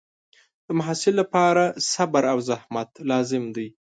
د محصل لپاره صبر او زحمت لازم دی.